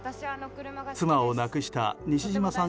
妻を亡くした西島さん